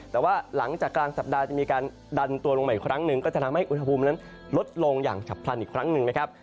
แต่ว่าหลังจากกลางสัปดาห์จะมีการดันตัวลงมาอีกครั้งหนึ่งก็จะทำให้อุณหภูมินั้นลดลงอย่างฉับพลันอีกครั้งหนึ่งนะครับ